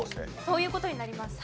そういう事になります。